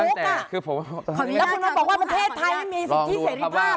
แล้วคุณบอกว่าประเทศไทยมีสิทธิเสร็จหรือเปล่า